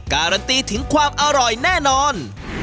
การันตีถึงความอร่อยแน่นอน